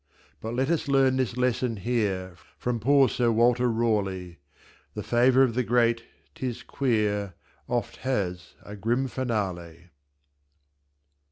But let us learn this lesson here From poor Sir Walter Raleigh: The favor of the great, 'tis queer, Oft has a grim finale.